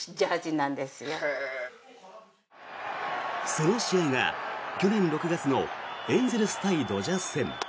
その試合が去年６月のエンゼルス対ドジャース戦。